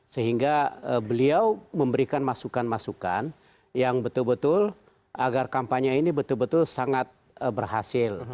sehingga beliau memberikan masukan masukan yang betul betul agar kampanye ini betul betul sangat berhasil